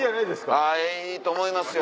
あっいいと思いますよ。